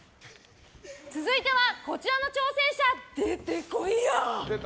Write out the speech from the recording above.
続いては、こちらの挑戦者出てこいや！